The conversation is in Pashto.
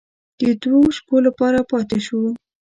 د دوو شپو لپاره پاتې شوو.